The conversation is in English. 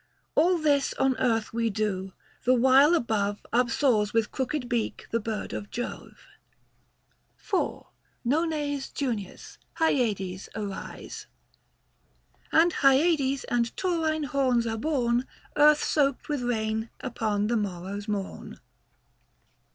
All this on earth we do, the while above Upsoars with crooked beak the bird of Jove. IV. NON. JUN. HYADES ARISE. And Hyades and Taurine horns are born Earth soaked with rain, upon the morrow's morn.